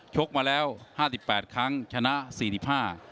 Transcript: กมาแล้วห้าสิบแปดครั้งชนะสี่สิบห้า